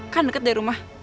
kan deket deh rumah